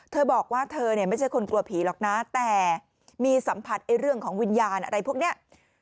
เธอบอกว่าเธอเนี่ยไม่ใช่คนกลัวผีหรอกนะแต่มีสัมผัสเรื่องของวิญญาณอะไรพวกนี้